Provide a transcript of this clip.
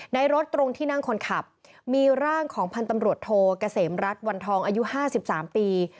รถตรงที่นั่งคนขับมีร่างของพันธ์ตำรวจโทเกษมรัฐวันทองอายุ๕๓ปี